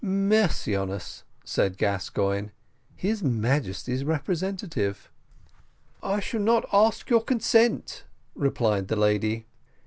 "Mercy on us!" said Gascoigne, "his Majesty's representative!" "I shall not ask your consent," replied the lady.